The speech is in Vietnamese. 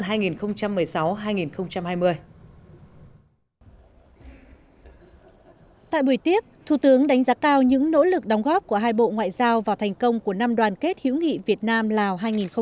tại buổi tiếp thủ tướng đánh giá cao những nỗ lực đóng góp của hai bộ ngoại giao vào thành công của năm đoàn kết hữu nghị việt nam lào hai nghìn một mươi tám